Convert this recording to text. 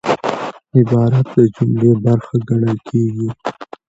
عبارت د جملې برخه ګڼل کېږي.